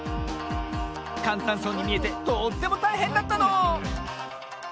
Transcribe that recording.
かんたんそうにみえてとってもたいへんだったの！